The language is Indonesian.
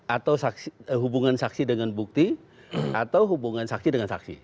atau hubungan saksi dengan bukti atau hubungan saksi dengan saksi